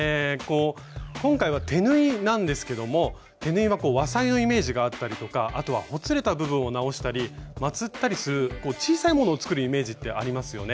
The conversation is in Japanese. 今回は手縫いなんですけども手縫いは和裁のイメージがあったりとかあとはほつれた部分を直したりまつったりする小さいものを作るイメージってありますよね。